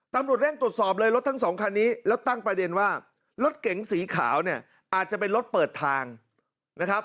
ตำรวจเร่งตรวจสอบเลยรถทั้งสองคันนี้แล้วตั้งประเด็นว่ารถเก๋งสีขาวเนี่ยอาจจะเป็นรถเปิดทางนะครับ